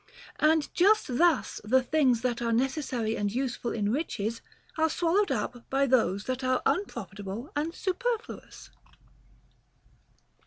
And just thus the things that are neces sary and useful in riches are swallowed up by those that are unprofitable and superfluous.